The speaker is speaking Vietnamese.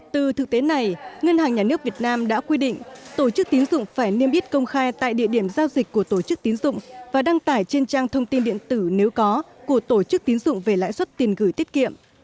từ thực tế này ngân hàng nhà nước việt nam đã quy định tổ chức tín dụng phải niêm yết công khai tại địa điểm giao dịch của tổ chức tín dụng và đăng tải trên trang thông tin điện tử nếu có của tổ chức tín dụng về lãi suất tiền gửi tiết kiệm